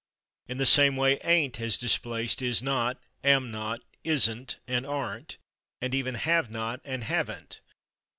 In the same way /ain't/ has displaced /is not/, /am not/, /isn't/ and /aren't/, and even /have not/ and /haven't